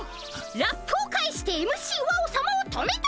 ラップを返してＭＣワオさまを止めた！